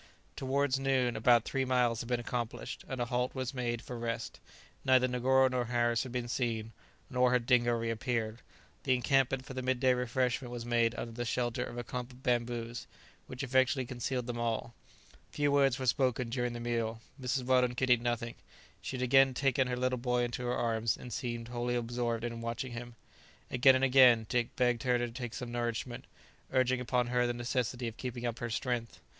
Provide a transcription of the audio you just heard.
Towards noon about three miles had been accomplished, and a halt was made for rest. Neither Negoro nor Harris had been seen, nor had Dingo reappeared. The encampment for the midday refreshment was made under the shelter of a clump of bamboos, which effectually concealed them all. Few words were spoken during the meal. Mrs. Weldon could eat nothing; she had again taken her little boy into her arms, and seemed wholly absorbed in watching him. Again and again Dick begged her to take some nourishment, urging upon her the necessity of keeping up her strength.